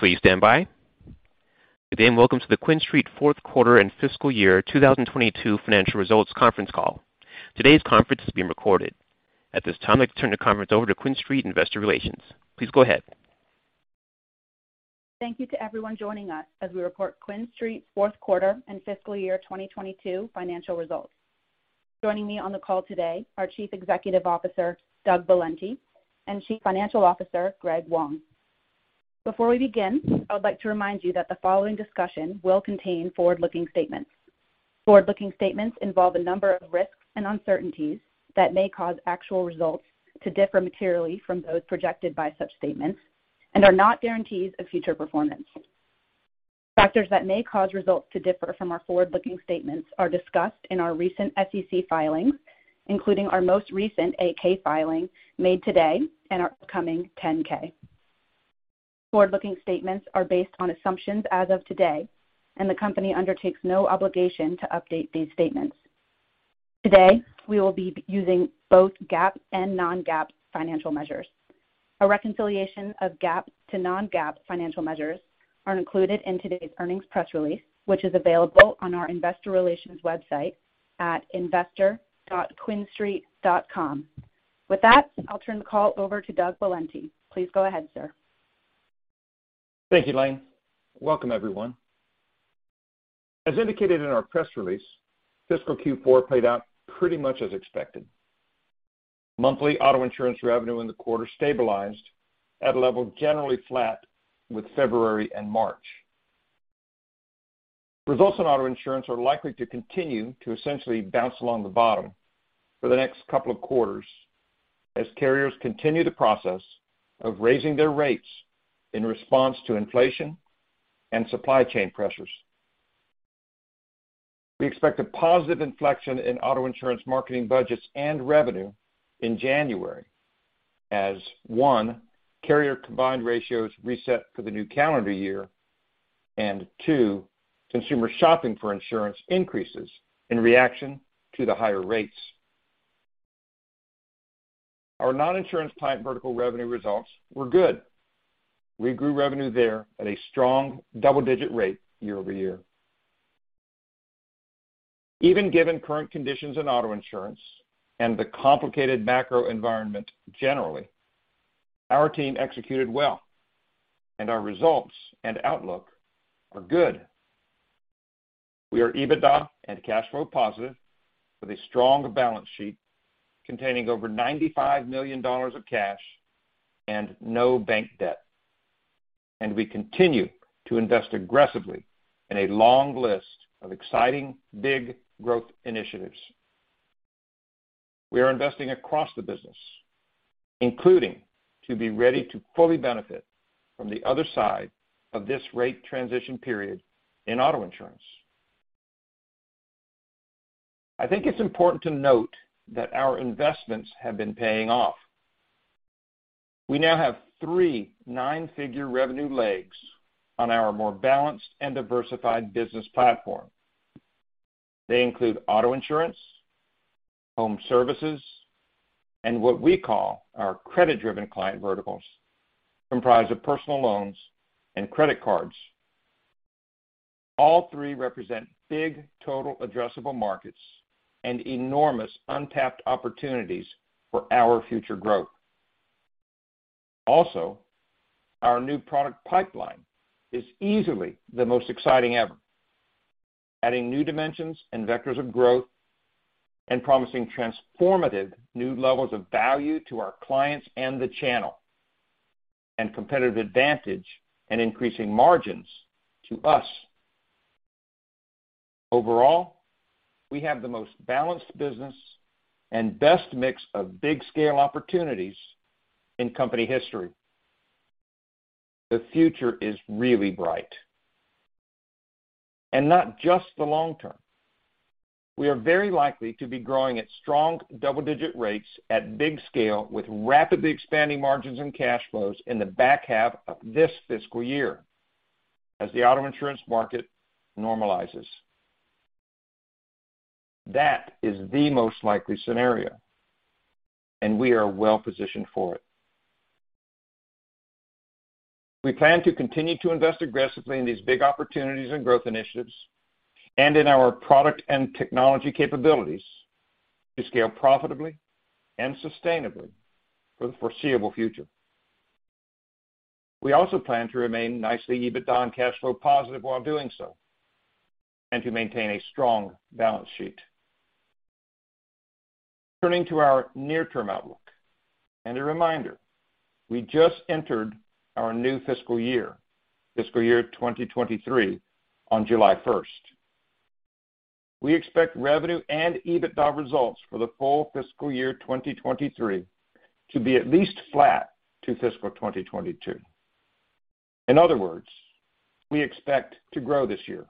Please stand by. Good day, and welcome to the QuinStreet fourth quarter and fiscal year 2022 financial results conference call. Today's conference is being recorded. At this time, I'd like to turn the conference over to QuinStreet investor relations. Please go ahead. Thank you to everyone joining us as we report QuinStreet's fourth quarter and fiscal year 2022 financial results. Joining me on the call today, our Chief Executive Officer, Doug Valenti, and Chief Financial Officer, Greg Wong. Before we begin, I would like to remind you that the following discussion will contain forward-looking statements. Forward-looking statements involve a number of risks and uncertainties that may cause actual results to differ materially from those projected by such statements and are not guarantees of future performance. Factors that may cause results to differ from our forward-looking statements are discussed in our recent SEC filings, including our most recent 8-K filing made today and our upcoming 10-K. Forward-looking statements are based on assumptions as of today, and the company undertakes no obligation to update these statements. Today, we will be using both GAAP and non-GAAP financial measures. A reconciliation of GAAP to non-GAAP financial measures is included in today's earnings press release, which is available on our investor relations website at investor.quinstreet.com. With that, I'll turn the call over to Doug Valenti. Please go ahead, sir. Thank you, Hayden. Welcome, everyone. As indicated in our press release, fiscal Q4 played out pretty much as expected. Monthly auto insurance revenue in the quarter stabilized at a level generally flat with February and March. Results in auto insurance are likely to continue to essentially bounce along the bottom for the next couple of quarters as carriers continue the process of raising their rates in response to inflation and supply chain pressures. We expect a positive inflection in auto insurance marketing budgets and revenue in January as, one, carrier combined ratios reset for the new calendar year, and two, consumer shopping for insurance increases in reaction to the higher rates. Our non-insurance client vertical revenue results were good. We grew revenue there at a strong double-digit rate year-over-year. Even given current conditions in auto insurance and the complicated macro environment generally, our team executed well. Our results and outlook are good. We are EBITDA and cash flow positive with a strong balance sheet containing over $95 million of cash and no bank debt. We continue to invest aggressively in a long list of exciting, big growth initiatives. We are investing across the business, including to be ready to fully benefit from the other side of this rate transition period in auto insurance. I think it's important to note that our investments have been paying off. We now have three nine-figure revenue legs on our more balanced and diversified business platform. They include auto insurance, home services, and what we call our credit-driven client verticals, comprised of personal loans and credit cards. All three represent big total addressable markets and enormous untapped opportunities for our future growth. Also, our new product pipeline is easily the most exciting ever, adding new dimensions and vectors of growth and promising transformative new levels of value to our clients and the channel, and competitive advantage and increasing margins to us. Overall, we have the most balanced business and best mix of big scale opportunities in company history. The future is really bright, and not just the long term. We are very likely to be growing at strong double-digit rates at big scale with rapidly expanding margins and cash flows in the back half of this fiscal year as the auto insurance market normalizes. That is the most likely scenario, and we are well-positioned for it. We plan to continue to invest aggressively in these big opportunities and growth initiatives and in our product and technology capabilities to scale profitably and sustainably for the foreseeable future. We also plan to remain nicely EBITDA and cash flow positive while doing so and to maintain a strong balance sheet. Turning to our near-term outlook, and a reminder, we just entered our new fiscal year, fiscal year 2023 on July 1. We expect revenue and EBITDA results for the full fiscal year 2023 to be at least flat to fiscal 2022. In other words, we expect to grow this year.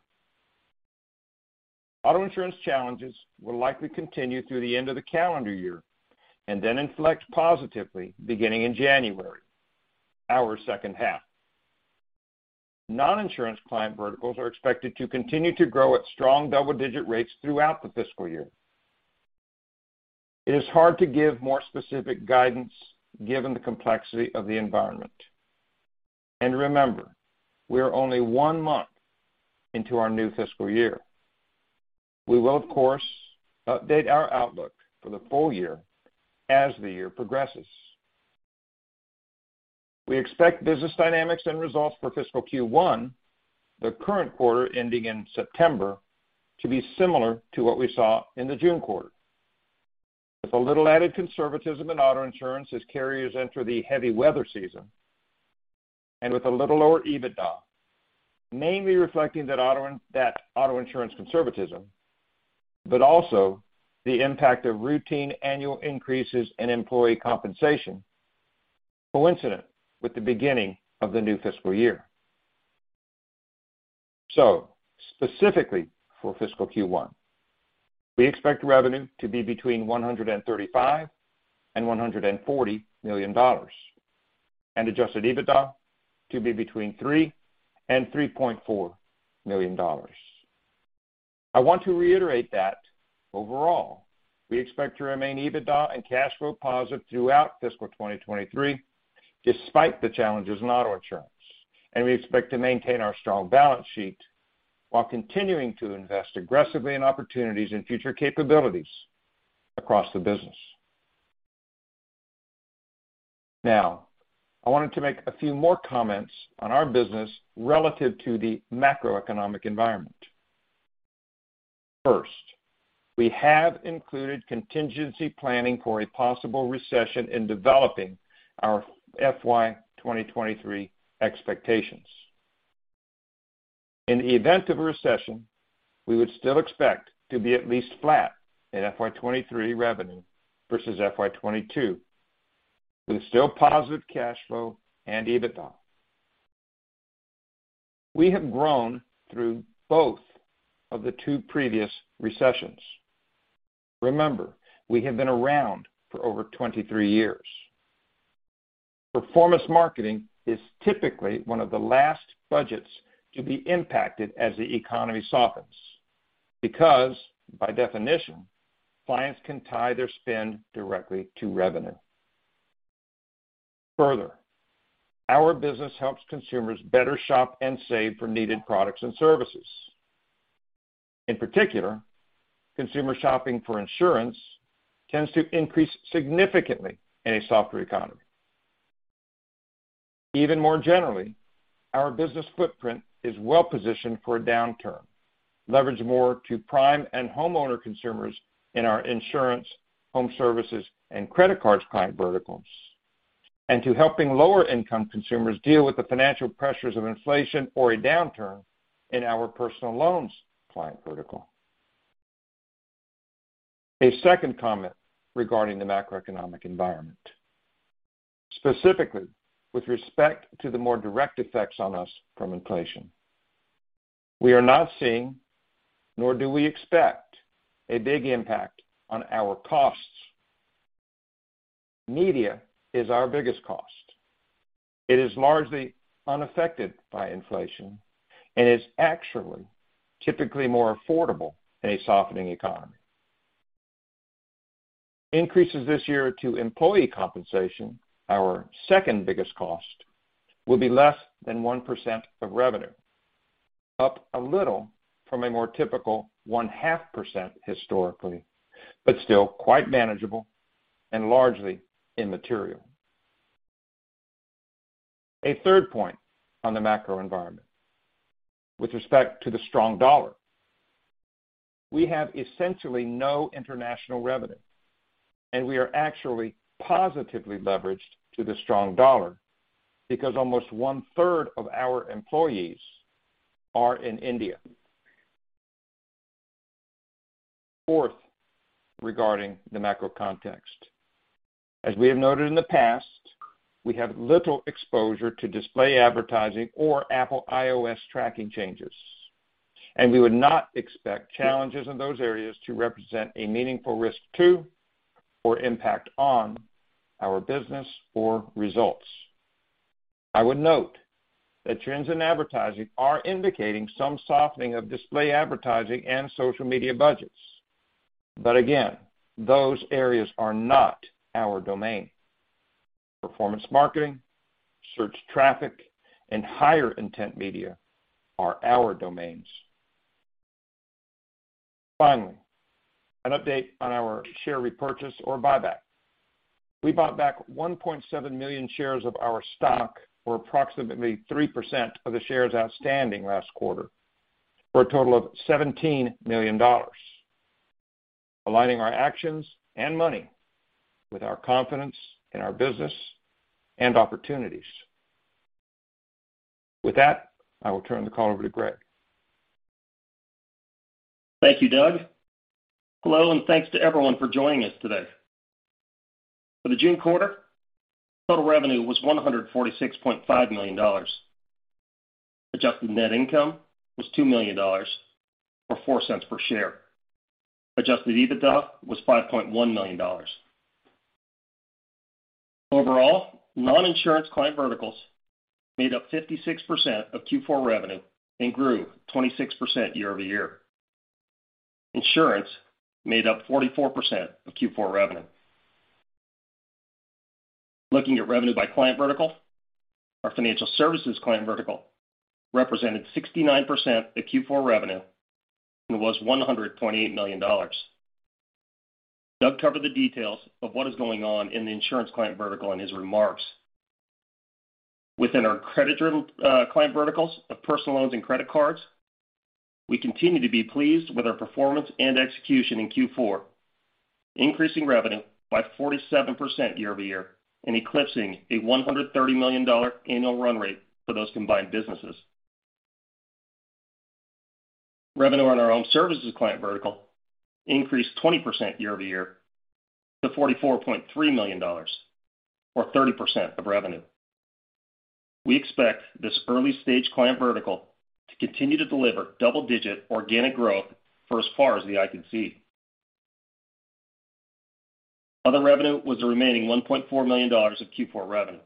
Auto insurance challenges will likely continue through the end of the calendar year and then inflect positively beginning in January, our second half. Non-insurance client verticals are expected to continue to grow at strong double-digit rates throughout the fiscal year. It is hard to give more specific guidance given the complexity of the environment. Remember, we are only one month into our new fiscal year. We will, of course, update our outlook for the full year as the year progresses. We expect business dynamics and results for fiscal Q1, the current quarter ending in September, to be similar to what we saw in the June quarter. With a little added conservatism in auto insurance as carriers enter the heavy weather season and with a little lower EBITDA, mainly reflecting that auto insurance conservatism, but also the impact of routine annual increases in employee compensation coincident with the beginning of the new fiscal year. Specifically for fiscal Q1, we expect revenue to be between $135 million and $140 million and adjusted EBITDA to be between $3 million and $3.4 million. I want to reiterate that overall, we expect to remain EBITDA and cash flow positive throughout fiscal 2023, despite the challenges in auto insurance. We expect to maintain our strong balance sheet while continuing to invest aggressively in opportunities and future capabilities across the business. Now, I wanted to make a few more comments on our business relative to the macroeconomic environment. First, we have included contingency planning for a possible recession in developing our FY 2023 expectations. In the event of a recession, we would still expect to be at least flat in FY 2023 revenue versus FY 2022, with still positive cash flow and EBITDA. We have grown through both of the two previous recessions. Remember, we have been around for over 23 years. Performance marketing is typically one of the last budgets to be impacted as the economy softens because, by definition, clients can tie their spend directly to revenue. Further, our business helps consumers better shop and save for needed products and services. In particular, consumer shopping for insurance tends to increase significantly in a softer economy. Even more generally, our business footprint is well positioned for a downturn, leveraged more to prime and homeowner consumers in our insurance, home services, and credit cards client verticals, and to helping lower income consumers deal with the financial pressures of inflation or a downturn in our personal loans client vertical. A second comment regarding the macroeconomic environment, specifically with respect to the more direct effects on us from inflation. We are not seeing nor do we expect a big impact on our costs. Media is our biggest cost. It is largely unaffected by inflation and is actually typically more affordable in a softening economy. Increases this year to employee compensation, our second biggest cost, will be less than 1% of revenue, up a little from a more typical 0.5% historically, but still quite manageable and largely immaterial. A third point on the macro environment with respect to the strong dollar. We have essentially no international revenue, and we are actually positively leveraged to the strong dollar because almost one-third of our employees are in India. Fourth, regarding the macro context. As we have noted in the past, we have little exposure to display advertising or Apple iOS tracking changes, and we would not expect challenges in those areas to represent a meaningful risk to or impact on our business or results. I would note that trends in advertising are indicating some softening of display advertising and social media budgets. Again, those areas are not our domain. Performance marketing, search traffic, and higher intent media are our domains. Finally, an update on our share repurchase or buyback. We bought back 1.7 million shares of our stock or approximately 3% of the shares outstanding last quarter, for a total of $17 million, aligning our actions and money with our confidence in our business and opportunities. With that, I will turn the call over to Greg. Thank you, Doug. Hello, and thanks to everyone for joining us today. For the June quarter, total revenue was $146.5 million. Adjusted net income was $2 million or $0.04 per share. Adjusted EBITDA was $5.1 million. Overall, non-insurance client verticals made up 56% of Q4 revenue and grew 26% year-over-year. Insurance made up 44% of Q4 revenue. Looking at revenue by client vertical, our financial services client vertical represented 69% of Q4 revenue and was $128 million. Doug covered the details of what is going on in the insurance client vertical in his remarks. Within our credit-driven client verticals of personal loans and credit cards, we continue to be pleased with our performance and execution in Q4, increasing revenue by 47% year-over-year and eclipsing a $130 million annual run rate for those combined businesses. Revenue on our Home Services client vertical increased 20% year-over-year to $44.3 million, or 30% of revenue. We expect this early-stage client vertical to continue to deliver double-digit organic growth for as far as the eye can see. Other revenue was the remaining $1.4 million of Q4 revenue.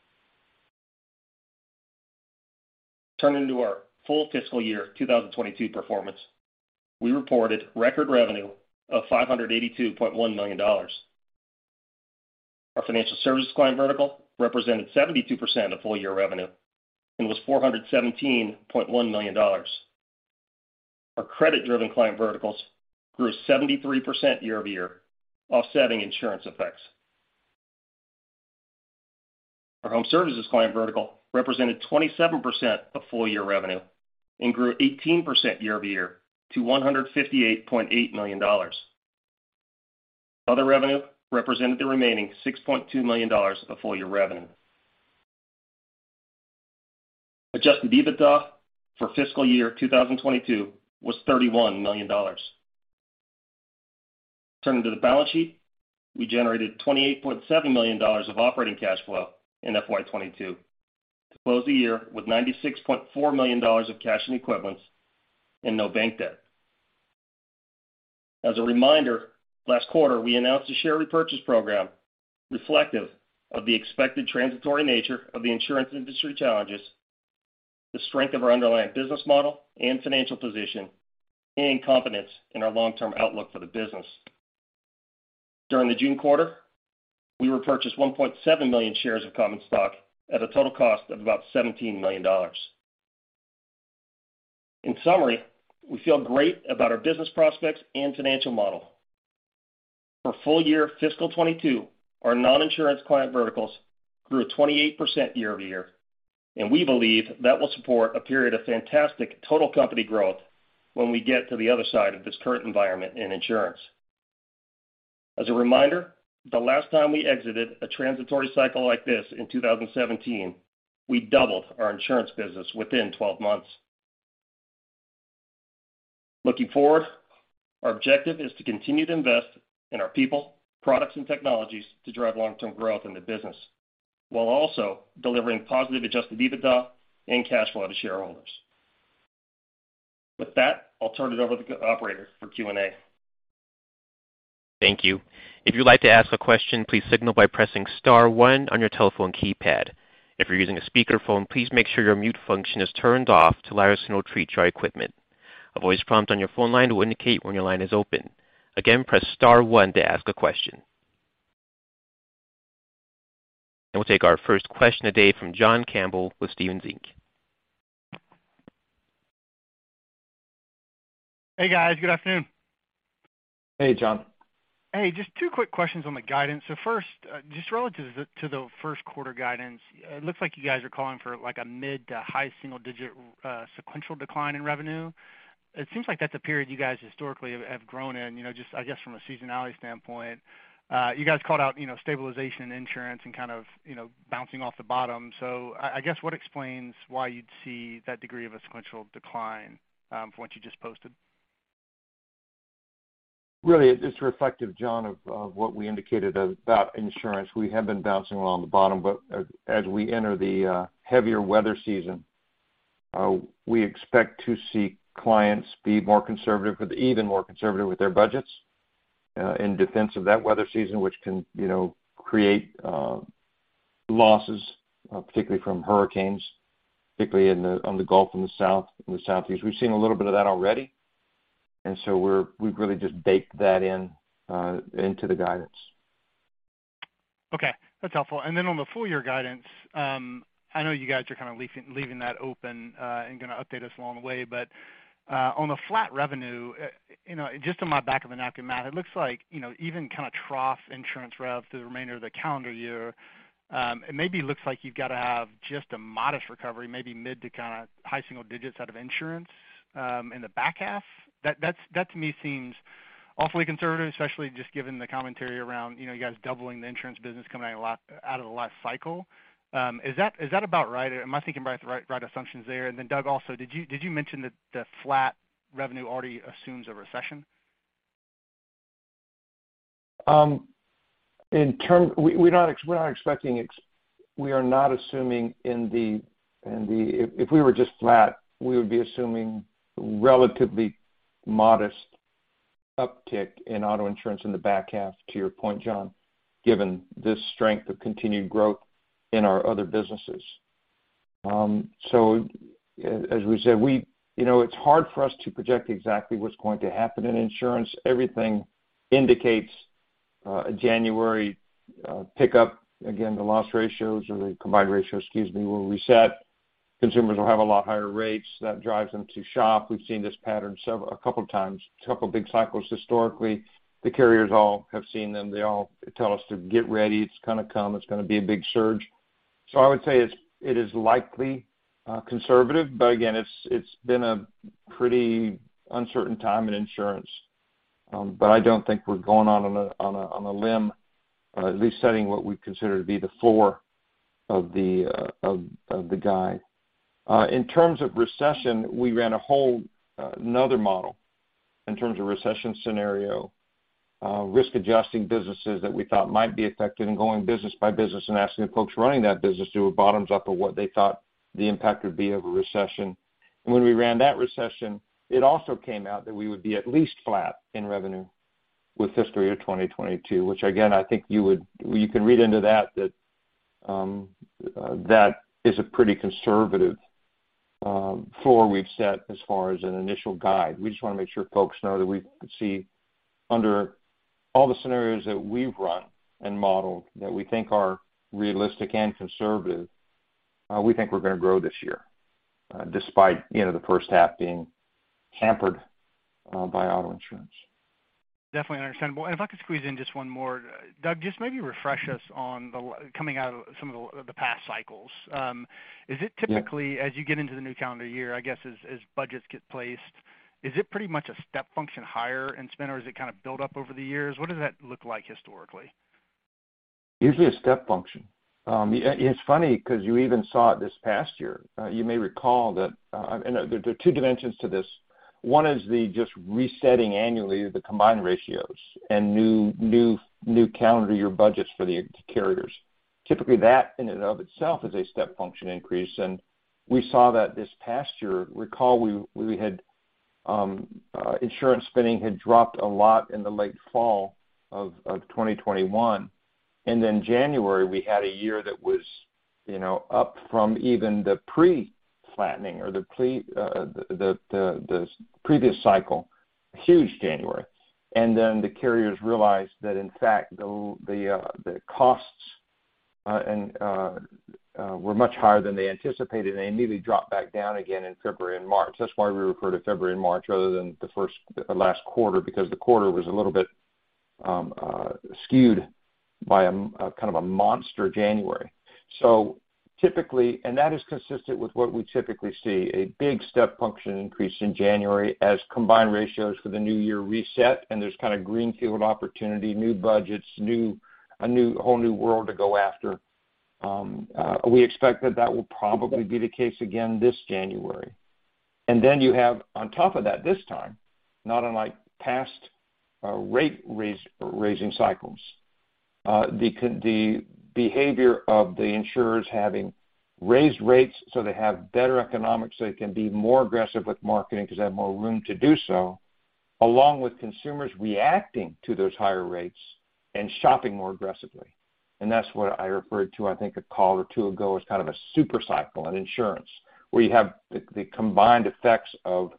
Turning to our full fiscal year 2022 performance, we reported record revenue of $582.1 million. Our financial services client vertical represented 72% of full year revenue and was $417.1 million. Our credit-driven client verticals grew 73% year-over-year, offsetting insurance effects. Our Home Services client vertical represented 27% of full year revenue and grew 18% year-over-year to $158.8 million. Other revenue represented the remaining $6.2 million of full year revenue. Adjusted EBITDA for fiscal year 2022 was $31 million. Turning to the balance sheet, we generated $28.7 million of operating cash flow in FY 2022 to close the year with $96.4 million of cash and equivalents and no bank debt. As a reminder, last quarter we announced a share repurchase program reflective of the expected transitory nature of the insurance industry challenges, the strength of our underlying business model and financial position, and confidence in our long-term outlook for the business. During the June quarter, we repurchased 1.7 million shares of common stock at a total cost of about $17 million. In summary, we feel great about our business prospects and financial model. For full year fiscal 2022, our non-insurance client verticals grew 28% year-over-year, and we believe that will support a period of fantastic total company growth when we get to the other side of this current environment in insurance. As a reminder, the last time we exited a transitory cycle like this in 2017, we doubled our insurance business within 12 months. Looking forward, our objective is to continue to invest in our people, products, and technologies to drive long-term growth in the business, while also delivering positive adjusted EBITDA and cash flow to shareholders. With that, I'll turn it over to the operator for Q&A. Thank you. If you'd like to ask a question, please signal by pressing star one on your telephone keypad. If you're using a speakerphone, please make sure your mute function is turned off to allow us to hear through your equipment. A voice prompt on your phone line will indicate when your line is open. Again, press star one to ask a question. We'll take our first question today from John Campbell with Stephens Inc. Hey, guys. Good afternoon. Hey, John. Hey, just two quick questions on the guidance. First, just relative to the first quarter guidance, it looks like you guys are calling for, like, a mid- to high-single-digit sequential decline in revenue. It seems like that's a period you guys historically have grown in, you know, just I guess from a seasonality standpoint. You guys called out, you know, stabilization in insurance and kind of, you know, bouncing off the bottom. I guess what explains why you'd see that degree of a sequential decline for what you just posted? Really, it's reflective, John, of what we indicated about insurance. We have been bouncing along the bottom. As we enter the heavier weather season, we expect to see clients be even more conservative with their budgets in defense of that weather season, which can, you know, create losses, particularly from hurricanes, particularly on the Gulf and the South, in the Southeast. We've seen a little bit of that already, and so we've really just baked that in into the guidance. Okay, that's helpful. Then on the full year guidance, I know you guys are kind of leaving that open, and gonna update us along the way. On the flat revenue, you know, just in my back of the napkin math, it looks like, you know, even kind of trough insurance rev through the remainder of the calendar year, it maybe looks like you've gotta have just a modest recovery, maybe mid to kinda high single digits out of insurance, in the back half. That to me seems awfully conservative, especially just given the commentary around, you know, you guys doubling the insurance business coming out of the last cycle. Is that about right? Am I thinking about the right assumptions there? Doug, also, did you mention that the flat revenue already assumes a recession? We are not assuming in the. If we were just flat, we would be assuming relatively modest. Uptick in auto insurance in the back half, to your point, John, given the strength of continued growth in our other businesses. As we said, you know, it's hard for us to project exactly what's going to happen in insurance. Everything indicates a January pickup. Again, the loss ratios or the combined ratio, excuse me, will reset. Consumers will have a lot higher rates. That drives them to shop. We've seen this pattern a couple times, couple big cycles historically. The carriers all have seen them. They all tell us to get ready. It's gonna come, it's gonna be a big surge. I would say it is likely conservative. Again, it's been a pretty uncertain time in insurance. I don't think we're going out on a limb, at least setting what we consider to be the floor of the guide. In terms of recession, we ran a whole other model in terms of recession scenario, risk adjusting businesses that we thought might be affected, and going business by business and asking the folks running that business do a bottoms up of what they thought the impact would be of a recession. When we ran that recession, it also came out that we would be at least flat in revenue with fiscal year 2022, which again, I think you would. You can read into that is a pretty conservative floor we've set as far as an initial guide. We just wanna make sure folks know that we could see under all the scenarios that we've run and modeled, that we think are realistic and conservative, we think we're gonna grow this year, despite, you know, the first half being hampered by auto insurance. Definitely understandable. If I could squeeze in just one more. Doug, just maybe refresh us on coming out of some of the past cycles. Is it typically? Yeah. As you get into the new calendar year, I guess as budgets get placed, is it pretty much a step function higher in spend, or does it kind of build up over the years? What does that look like historically? Usually a step function. It's funny 'cause you even saw it this past year. You may recall that. There are two dimensions to this. One is just resetting annually the combined ratios and new calendar year budgets for the carriers. Typically, that in and of itself is a step function increase, and we saw that this past year. Recall we had insurance spending had dropped a lot in the late fall of 2021. Then January, we had a year that was, you know, up from even the pre-flattening or the pre, the previous cycle, huge January. Then the carriers realized that in fact, the costs and were much higher than they anticipated, and they immediately dropped back down again in February and March. That's why we refer to February and March rather than last quarter, because the quarter was a little bit skewed by a kind of a monster January. Typically that is consistent with what we typically see, a big step function increase in January as combined ratios for the new year reset, and there's kind of greenfield opportunity, new budgets, a new whole new world to go after. We expect that will probably be the case again this January. You have on top of that this time, not unlike past rate raising cycles, the behavior of the insurers having raised rates so they have better economics, so they can be more aggressive with marketing 'cause they have more room to do so, along with consumers reacting to those higher rates and shopping more aggressively. That's what I referred to, I think, a call or two ago, as kind of a super cycle in insurance, where you have the combined effects of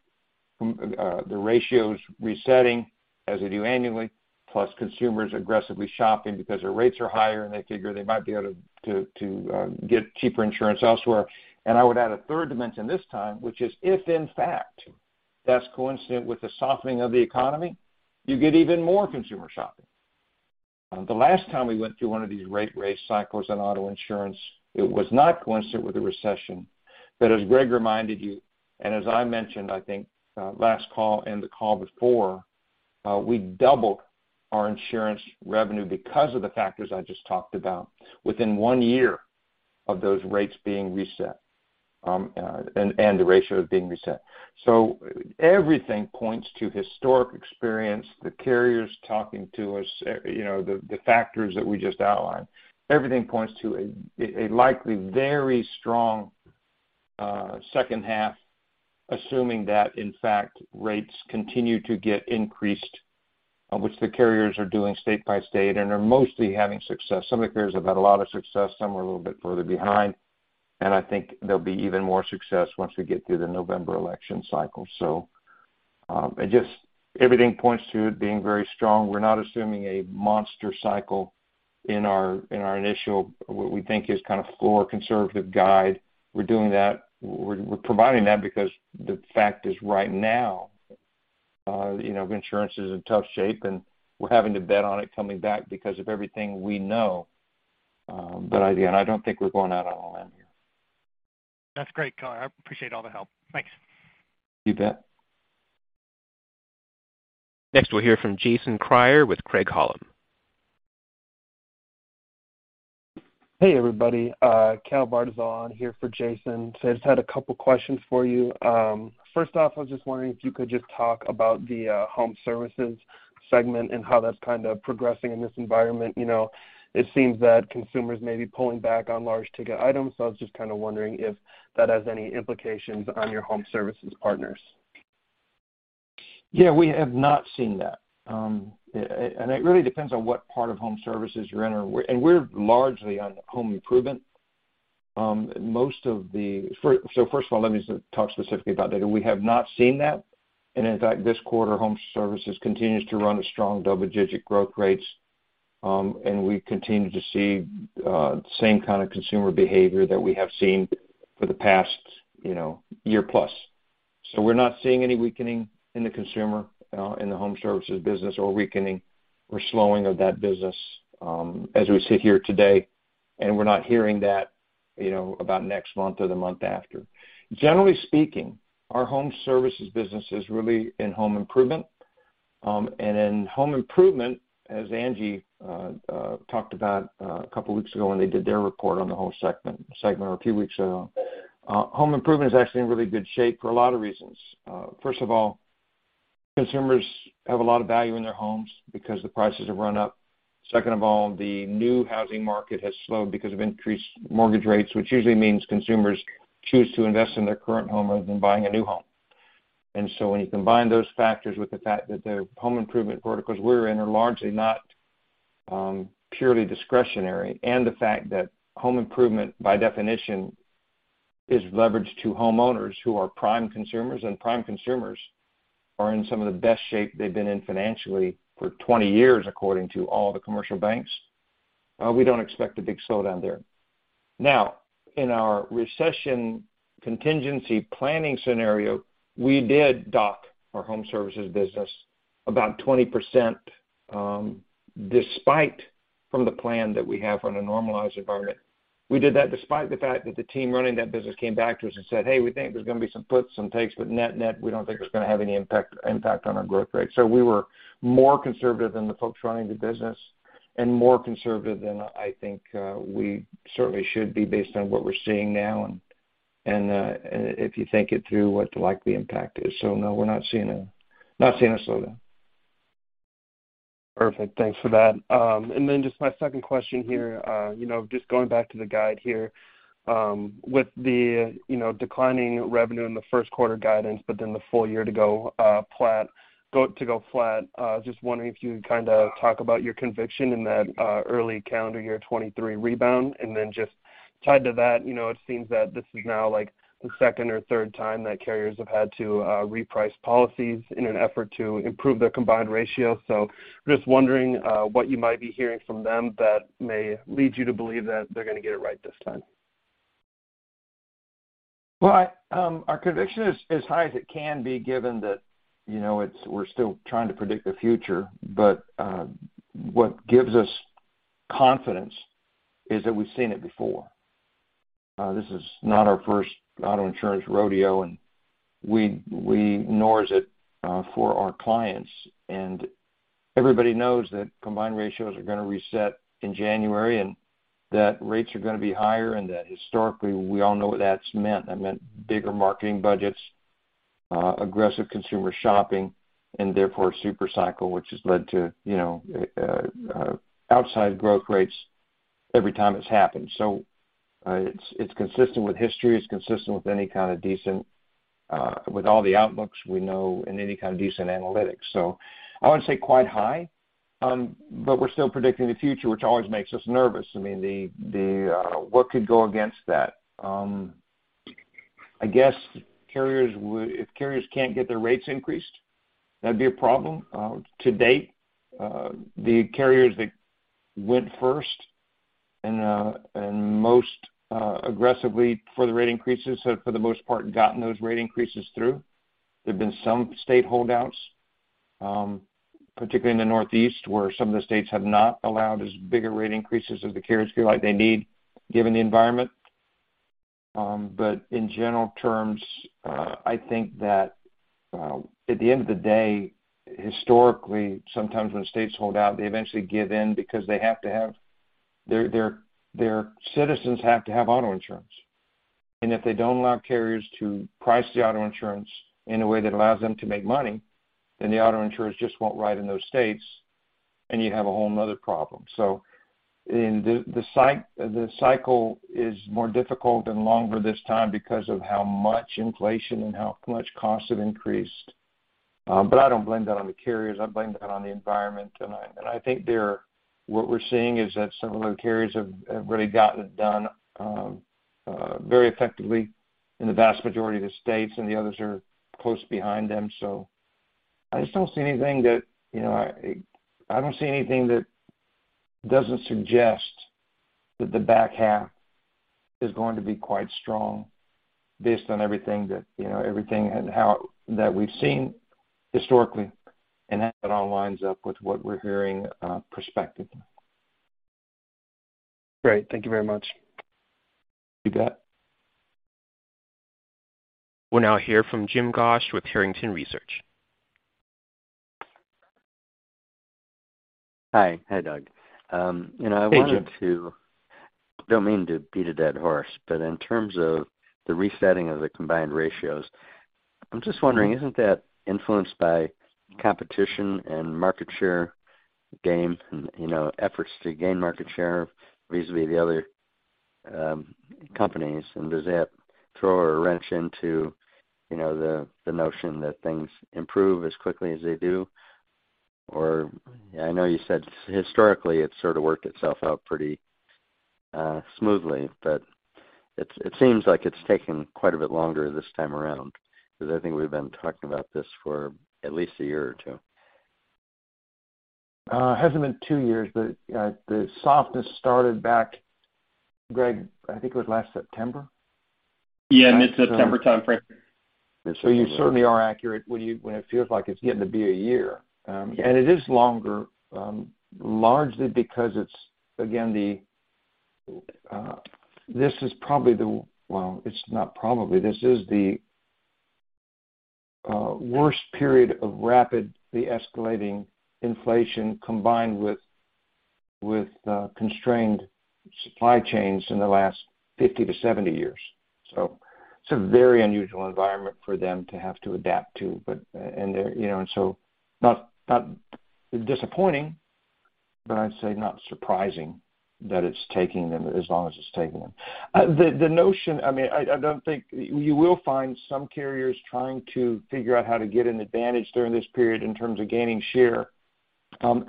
the ratios resetting as they do annually, plus consumers aggressively shopping because their rates are higher and they figure they might be able to get cheaper insurance elsewhere. I would add a third dimension this time, which is if in fact that's coincident with the softening of the economy, you get even more consumer shopping. The last time we went through one of these rate raise cycles on auto insurance, it was not coincident with the recession. As Greg reminded you, and as I mentioned, I think, last call and the call before, we doubled our insurance revenue because of the factors I just talked about within one year of those rates being reset, and the ratios being reset. Everything points to historic experience, the carriers talking to us, the factors that we just outlined. Everything points to a likely very strong second half, assuming that in fact, rates continue to get increased, which the carriers are doing state by state and are mostly having success. Some of the carriers have had a lot of success, some are a little bit further behind. I think there'll be even more success once we get through the November election cycle. Everything points to it being very strong. We're not assuming a monster cycle in our initial, what we think is kind of floor conservative guide. We're providing that because the fact is right now, you know, insurance is in tough shape, and we're having to bet on it coming back because of everything we know. Again, I don't think we're going out on a limb here. That's great, Doug. I appreciate all the help. Thanks. You bet. Next, we'll hear from Jason Kreyer with Craig-Hallum. Hey, everybody, Cal Bartyzal here for Jason Kreyer. I just had a couple questions for you. First off, I was just wondering if you could just talk about the Home Services segment and how that's kind of progressing in this environment. You know, it seems that consumers may be pulling back on large ticket items. I was just kind of wondering if that has any implications on your Home Services partners. Yeah, we have not seen that. It really depends on what part of Home Services you're in. We're largely on home improvement. First of all, let me talk specifically about data. We have not seen that. In fact, this quarter, Home Services continues to run a strong double-digit growth rates, and we continue to see same kind of consumer behavior that we have seen for the past, you know, year plus. We're not seeing any weakening in the consumer in the Home Services business or weakening or slowing of that business, as we sit here today, and we're not hearing that, you know, about next month or the month after. Generally speaking, our Home Services business is really in home improvement. In home improvement, as Angi talked about a couple weeks ago when they did their report on the whole segment a few weeks ago, home improvement is actually in really good shape for a lot of reasons. First of all, consumers have a lot of value in their homes because the prices have run up. Second of all, the new housing market has slowed because of increased mortgage rates, which usually means consumers choose to invest in their current home rather than buying a new home. When you combine those factors with the fact that the home improvement verticals we're in are largely not purely discretionary, and the fact that home improvement, by definition, is leveraged to homeowners who are prime consumers, and prime consumers are in some of the best shape they've been in financially for 20 years, according to all the commercial banks, we don't expect a big slowdown there. Now, in our recession contingency planning scenario, we did dock our Home Services business about 20%, different from the plan that we have on a normalized environment. We did that despite the fact that the team running that business came back to us and said, "Hey, we think there's gonna be some puts, some takes, but net-net, we don't think it's gonna have any impact on our growth rate." We were more conservative than the folks running the business and more conservative than, I think, we certainly should be based on what we're seeing now and if you think it through, what the likely impact is. No, we're not seeing a slowdown. Perfect. Thanks for that. Just my second question here, you know, just going back to the guide here, with the, you know, declining revenue in the first quarter guidance, but then the full year to go flat, just wondering if you would kind of talk about your conviction in that early calendar year 2023 rebound. Just tied to that, you know, it seems that this is now like the second or third time that carriers have had to reprice policies in an effort to improve their combined ratio. Just wondering what you might be hearing from them that may lead you to believe that they're gonna get it right this time. Well, our conviction is high as it can be given that, you know, we're still trying to predict the future, but what gives us confidence is that we've seen it before. This is not our first auto insurance rodeo, and neither is it for our clients. Everybody knows that combined ratios are gonna reset in January and that rates are gonna be higher, and that historically, we all know what that's meant. That meant bigger marketing budgets, aggressive consumer shopping, and therefore a super cycle, which has led to, you know, outsized growth rates every time it's happened. It's consistent with history. It's consistent with all the outlooks we know in any kind of decent analytics. I wanna say quite high, but we're still predicting the future, which always makes us nervous. I mean, what could go against that? I guess if carriers can't get their rates increased, that'd be a problem. To date, the carriers that went first and most aggressively for the rate increases have, for the most part, gotten those rate increases through. There've been some state holdouts, particularly in the Northeast, where some of the states have not allowed as big rate increases as the carriers feel like they need given the environment. In general terms, I think that at the end of the day, historically, sometimes when states hold out, they eventually give in because they have to have their citizens have auto insurance. If they don't allow carriers to price the auto insurance in a way that allows them to make money, then the auto insurers just won't ride in those states, and you have a whole nother problem. In the cycle is more difficult and longer this time because of how much inflation and how much costs have increased. I don't blame that on the carriers. I blame that on the environment. What we're seeing is that some of those carriers have really gotten it done very effectively in the vast majority of the states, and the others are close behind them. I don't see anything that doesn't suggest that the back half is going to be quite strong based on everything that, you know, everything and how that we've seen historically and how that all lines up with what we're hearing, prospects. Great. Thank you very much. You bet. We'll now hear from Jim Goss with Barrington Research. Hi. Hi, Doug. You know, I wanted to. Hey, Jim. Don't mean to beat a dead horse, but in terms of the resetting of the combined ratios, I'm just wondering, isn't that influenced by competition and market share gain, you know, efforts to gain market share vis-à-vis the other companies? Does that throw a wrench into, you know, the notion that things improve as quickly as they do? Or I know you said historically it's sort of worked itself out pretty smoothly, but it seems like it's taken quite a bit longer this time around because I think we've been talking about this for at least a year or two. Hasn't been two years, but the softness started back, Greg. I think it was last September. Yeah, mid-September timeframe. You certainly are accurate when it feels like it's getting to be a year. It is longer, largely because it's, again, this is the worst period of rapidly escalating inflation combined with constrained supply chains in the last 50-70 years. It's a very unusual environment for them to have to adapt to. They're, you know, not disappointing, but I'd say not surprising that it's taking them as long as it's taking them. The notion, I mean, I don't think you will find some carriers trying to figure out how to get an advantage during this period in terms of gaining share,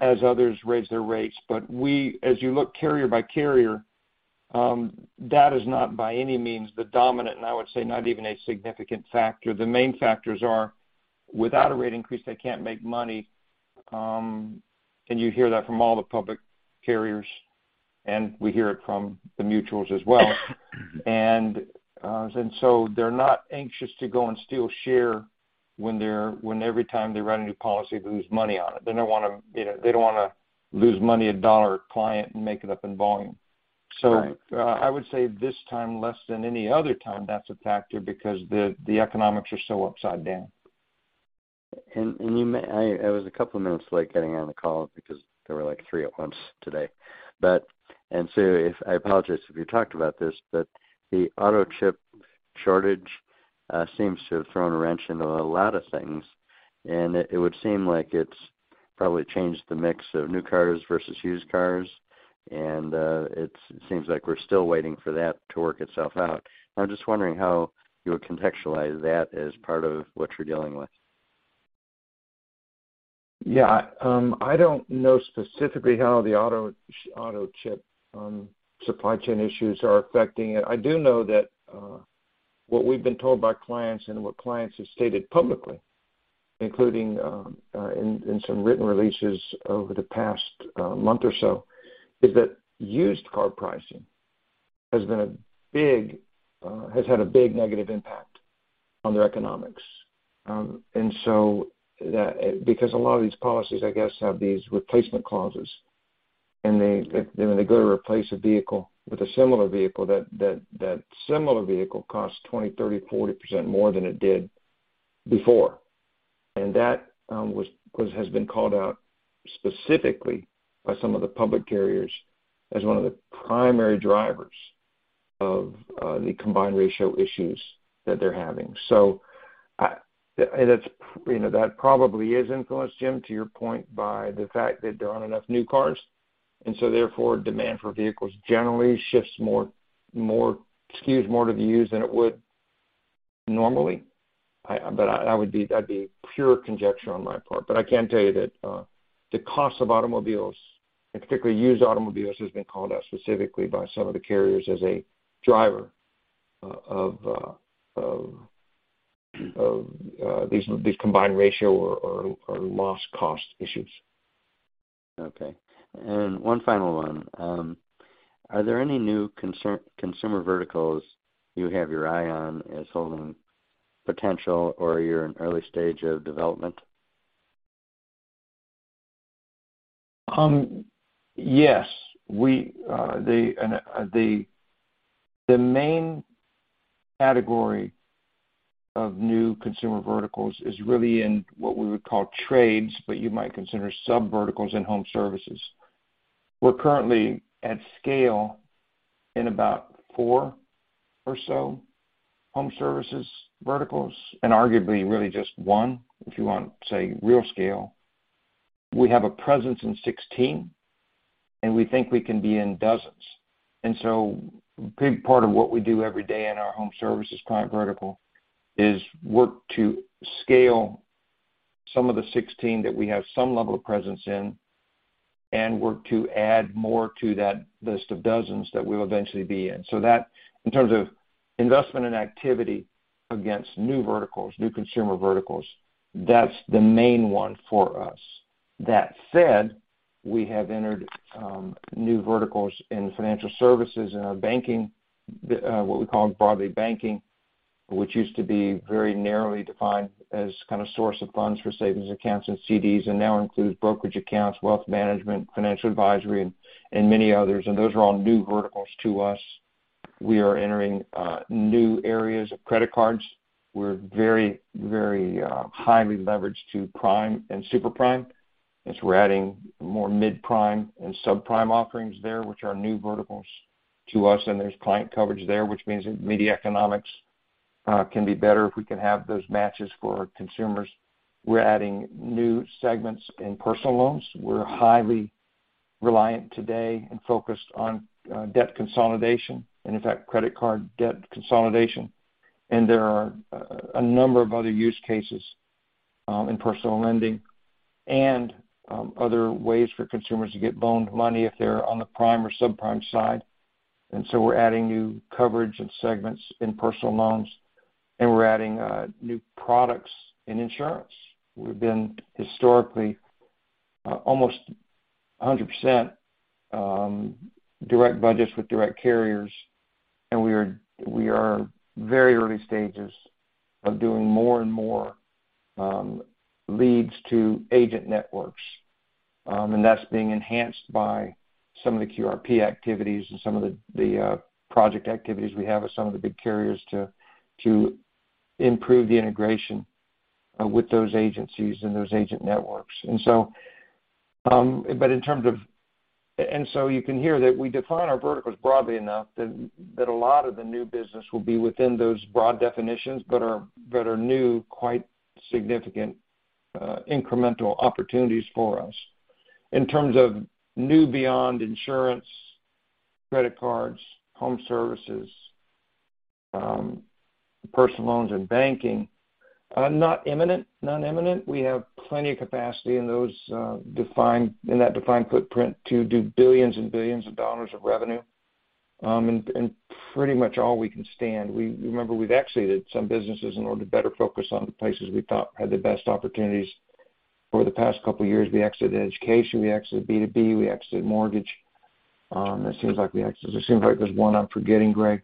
as others raise their rates. We, as you look carrier by carrier, that is not by any means the dominant and I would say not even a significant factor. The main factors are, without a rate increase, they can't make money, and you hear that from all the public carriers, and we hear it from the mutuals as well. They're not anxious to go and steal share when every time they write a new policy, they lose money on it. They don't want to, you know, they don't want to lose money a dollar a client and make it up in volume. Right. I would say this time less than any other time that's a factor because the economics are so upside down. I was a couple minutes late getting on the call because there were, like, three at once today. I apologize if you talked about this, but the auto chip shortage seems to have thrown a wrench into a lot of things. It would seem like it's probably changed the mix of new cars versus used cars. It seems like we're still waiting for that to work itself out. I'm just wondering how you would contextualize that as part of what you're dealing with. Yeah. I don't know specifically how the auto chip supply chain issues are affecting it. I do know that what we've been told by clients and what clients have stated publicly, including in some written releases over the past month or so, is that used car pricing has had a big negative impact on their economics. That, because a lot of these policies, I guess, have these replacement clauses, and they, when they go to replace a vehicle with a similar vehicle, that similar vehicle costs 20%, 30%, 40% more than it did before. That has been called out specifically by some of the public carriers as one of the primary drivers of the combined ratio issues that they're having. It's, you know, that probably is influenced, Jim, to your point, by the fact that there aren't enough new cars, and so therefore, demand for vehicles generally shifts more, skews more to the used than it would normally. I, that would be, that'd be pure conjecture on my part. I can tell you that the cost of automobiles, and particularly used automobiles, has been called out specifically by some of the carriers as a driver of these combined ratio or loss cost issues. Okay. One final one. Are there any new consumer verticals you have your eye on as holding potential or you're in early stage of development? Yes. The main category of new consumer verticals is really in what we would call trades, but you might consider subverticals in Home Services. We're currently at scale in about four or so Home Services verticals, and arguably really just one if you want to say real scale. We have a presence in 16, and we think we can be in dozens. A big part of what we do every day in our Home Services client vertical is work to scale some of the 16 that we have some level of presence in and work to add more to that list of dozens that we'll eventually be in. That, in terms of investment and activity against new verticals, new consumer verticals, that's the main one for us. That said, we have entered new verticals in financial services, in our banking, what we call broadly banking, which used to be very narrowly defined as kind of source of funds for savings accounts and CDs, and now includes brokerage accounts, wealth management, financial advisory, and many others. Those are all new verticals to us. We are entering new areas of credit cards. We're very highly leveraged to prime and super prime. As we're adding more mid-prime and subprime offerings there, which are new verticals to us, and there's client coverage there, which means that media economics can be better if we can have those matches for consumers. We're adding new segments in personal loans. We're highly reliant today and focused on debt consolidation, and in fact, credit card debt consolidation. There are a number of other use cases in personal lending and other ways for consumers to get loaned money if they're on the prime or subprime side. We're adding new coverage and segments in personal loans, and we're adding new products in insurance. We've been historically almost 100% direct budgets with direct carriers, and we are very early stages of doing more and more leads to agent networks. That's being enhanced by some of the QRP activities and some of the project activities we have with some of the big carriers to improve the integration with those agencies and those agent networks. You can hear that we define our verticals broadly enough that a lot of the new business will be within those broad definitions but are new, quite significant, incremental opportunities for us. In terms of new beyond insurance, credit cards, Home Services, personal loans and banking, non-imminent. We have plenty of capacity in those defined, in that defined footprint to do billions and billions of dollars of revenue, and pretty much all we can stand. We remember, we've exited some businesses in order to better focus on the places we thought had the best opportunities. For the past couple of years, we exited education, we exited B2B, we exited mortgage. It seems like we exited. It seems like there's one I'm forgetting, Greg.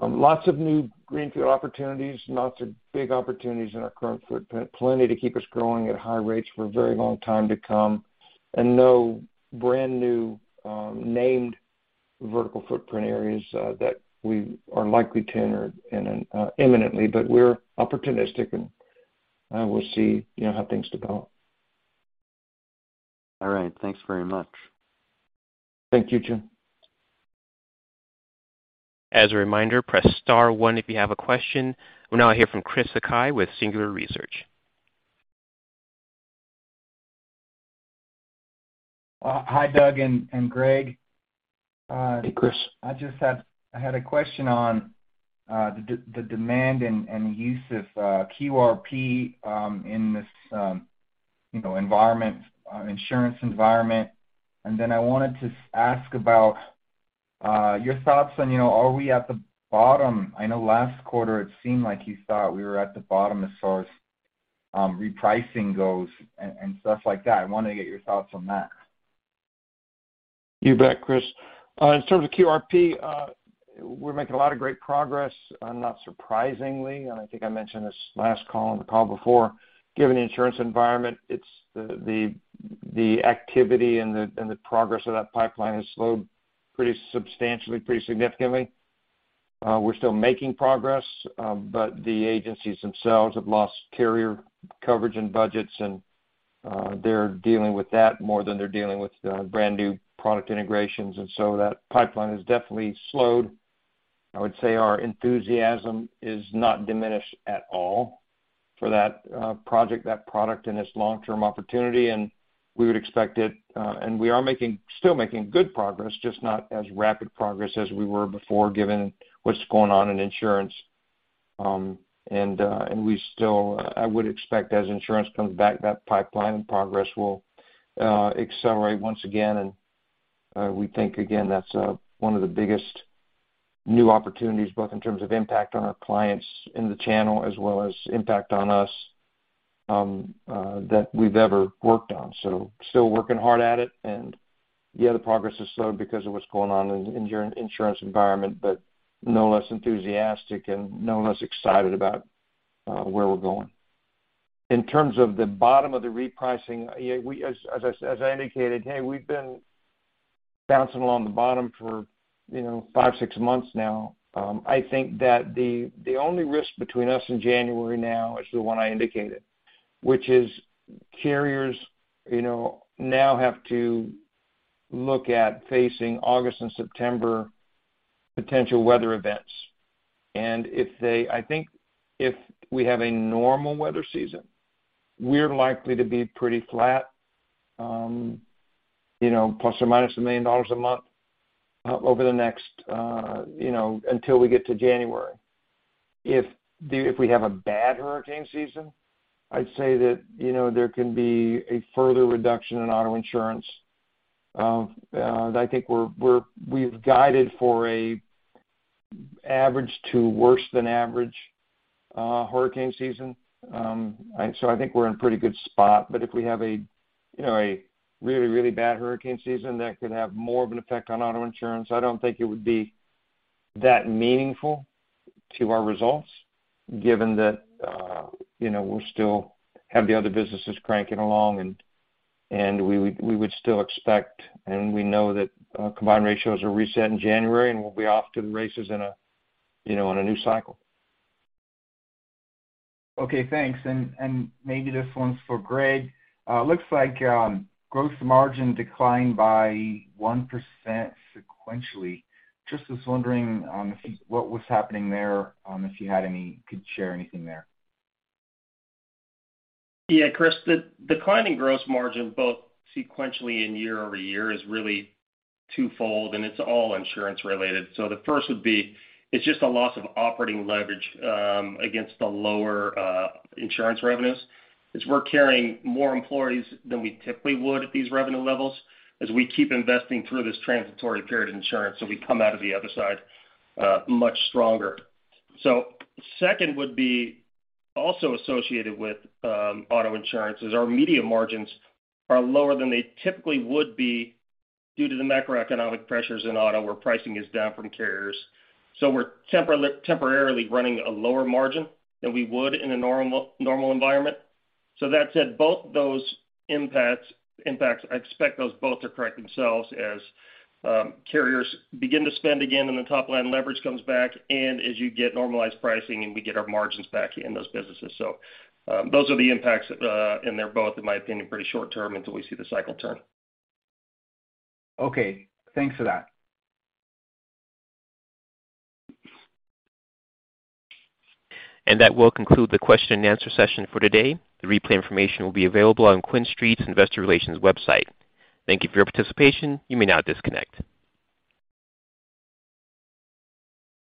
Lots of new greenfield opportunities, lots of big opportunities in our current footprint. Plenty to keep us growing at high rates for a very long time to come. No brand-new named vertical footprint areas that we are likely to enter in imminently. We're opportunistic, and we'll see, you know, how things develop. All right. Thanks very much. Thank you, Jim. As a reminder, press star one if you have a question. We'll now hear from Chris Sakai with Singular Research. Hi, Doug and Greg. Hey, Chris. I had a question on the demand and the use of QRP in this you know environment, insurance environment. I wanted to ask about your thoughts on you know are we at the bottom? I know last quarter it seemed like you thought we were at the bottom as far as repricing goes and stuff like that. I wanted to get your thoughts on that. You bet, Chris. In terms of QRP, we're making a lot of great progress, not surprisingly. I think I mentioned this last call and the call before. Given the insurance environment, it's the activity and the progress of that pipeline has slowed pretty substantially, pretty significantly. We're still making progress, but the agencies themselves have lost carrier coverage and budgets, and they're dealing with that more than they're dealing with the brand-new product integrations. That pipeline has definitely slowed. I would say our enthusiasm is not diminished at all for that project, that product, and its long-term opportunity, and we would expect it. We're still making good progress, just not as rapid progress as we were before, given what's going on in insurance. We still, I would expect as insurance comes back, that pipeline and progress will accelerate once again. We think again, that's one of the biggest new opportunities, both in terms of impact on our clients in the channel as well as impact on us, that we've ever worked on. Still working hard at it. Yeah, the progress has slowed because of what's going on in the insurance environment, but no less enthusiastic and no less excited about where we're going. In terms of the bottom of the repricing, yeah, we, as I said, as I indicated, hey, we've been bouncing along the bottom for, you know, five, six months now. I think that the only risk between us and January now is the one I indicated, which is carriers, you know, now have to look at facing August and September potential weather events. I think if we have a normal weather season, we're likely to be pretty flat, you know, plus or minus $1 million a month, over the next, you know, until we get to January. If we have a bad hurricane season, I'd say that, you know, there can be a further reduction in auto insurance. I think we've guided for an average to worse than average hurricane season. I think we're in pretty good spot. If we have you know a really really bad hurricane season, that could have more of an effect on auto insurance. I don't think it would be that meaningful to our results, given that you know we still have the other businesses cranking along and we would still expect, and we know that combined ratios are reset in January, and we'll be off to the races in you know in a new cycle. Okay, thanks. Maybe this one's for Greg. Looks like gross margin declined by 1% sequentially. Just was wondering what was happening there if you could share anything there? Yeah, Chris, the declining gross margin both sequentially and year-over-year is really twofold, and it's all insurance related. The first would be it's just a loss of operating leverage against the lower insurance revenues, as we're carrying more employees than we typically would at these revenue levels as we keep investing through this transitory period in insurance, so we come out of the other side much stronger. Second would be also associated with auto insurance as our media margins are lower than they typically would be due to the macroeconomic pressures in auto, where pricing is down for the carriers. We're temporarily running a lower margin than we would in a normal environment. That said, both those impacts, I expect those both to correct themselves as carriers begin to spend again and the top-line leverage comes back and as you get normalized pricing and we get our margins back in those businesses. Those are the impacts, and they're both, in my opinion, pretty short-term until we see the cycle turn. Okay. Thanks for that. That will conclude the question and answer session for today. The replay information will be available on QuinStreet's Investor Relations website. Thank you for your participation. You may now disconnect.